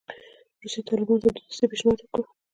روسیې طالبانو ته د دوستۍ پېشنهاد وکړ.